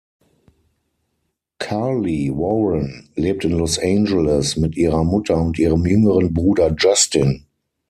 Karle Warren lebt in Los Angeles mit ihrer Mutter und ihrem jüngeren Bruder Justin.